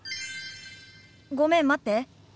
ごめん待って。